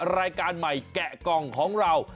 รายการใหม่แกะกล่องของเรา